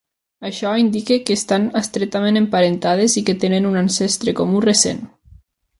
Això indica que estan estretament emparentades i que tenen un ancestre comú recent.